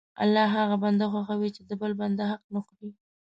الله هغه بنده خوښوي چې د بل بنده حق نه خوري.